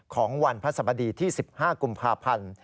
ของวันพระสบดีที่๑๕กุมภาพันธ์